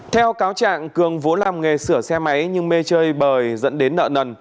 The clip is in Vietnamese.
theo cáo trạng cường vốn làm nghề sửa xe máy nhưng mê chơi bời dẫn đến nợ nần